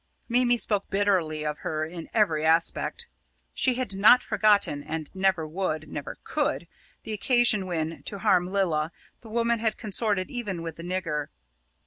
Mimi spoke bitterly of her in every aspect. She had not forgotten and never would never could the occasion when, to harm Lilla, the woman had consorted even with the nigger.